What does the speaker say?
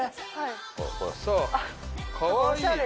かわいい！